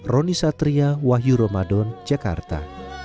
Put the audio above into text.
roni satria wahyu ramadan jakarta